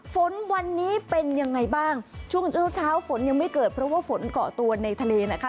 ฝนวันนี้เป็นยังไงบ้างช่วงเช้าเช้าฝนยังไม่เกิดเพราะว่าฝนเกาะตัวในทะเลนะคะ